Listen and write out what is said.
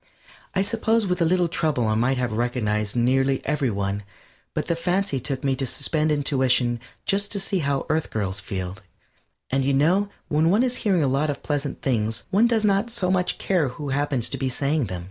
I suppose with a little trouble I might have recognized nearly every one, but the fancy took me to suspend intuition just to see how Earth girls feel, and you know when one is hearing a lot of pleasant things one does not much care who happens to be saying them.